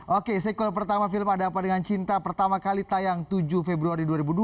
oke sequel pertama film ada apa dengan cinta pertama kali tayang tujuh februari dua ribu dua